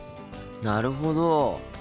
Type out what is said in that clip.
なるほど。